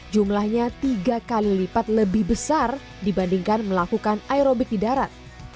jumlahnya tiga kali lipat lebih besar dibandingkan melakukan aerobik di darat